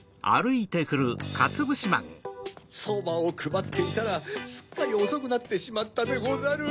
そばをくばっていたらすっかりおそくなってしまったでござる。